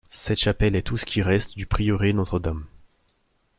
Cette chapelle est tout ce qui reste du prieuré Notre-Dame.